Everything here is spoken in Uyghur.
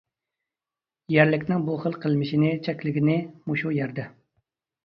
يەرلىكنىڭ بۇ خىل قىلمىشنى چەكلىگىنى مۇشۇ يەردە.